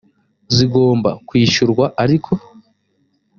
zigomba kwishyurwa ariko.